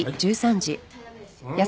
はい。